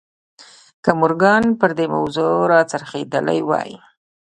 که مورګان پر دې موضوع را څرخېدلی وای.